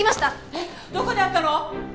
えっどこにあったの？